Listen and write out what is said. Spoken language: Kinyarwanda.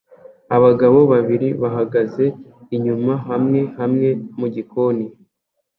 Abagabo babiri bahagaze inyuma-hamwe hamwe mugikoni